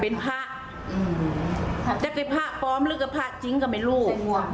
เป็นผ้าที่ผ่าปลอมหรือที่ผ่าจริงก็ไม่รู้